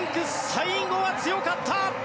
最後は強かった！